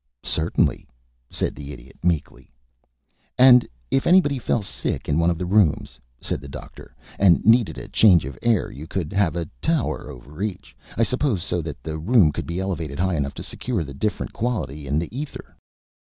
"Certainly," said the Idiot, meekly. "And if anybody fell sick in one of the rooms," said the Doctor, "and needed a change of air, you could have a tower over each, I suppose, so that the room could be elevated high enough to secure the different quality in the ether?"